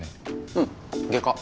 うん外科。